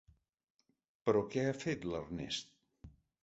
Però què ha fet, l'Ernest?